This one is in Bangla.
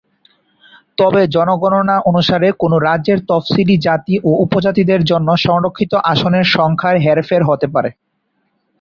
তবে জনগণনা অনুসারে কোনো রাজ্যের তফসিলি জাতি ও উপজাতিদের জন্য সংরক্ষিত আসনের সংখ্যার হেরফের হতে পারে।